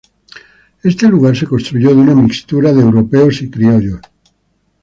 Este lugar se construyó de una mixtura de europeos y criollos.